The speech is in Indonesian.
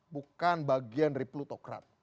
bukan bagian dari plutokrat